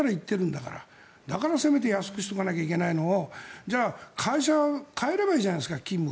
だから、せめてやすくしておかないといけないのをじゃあ、会社の勤務を変えればいいじゃないですか。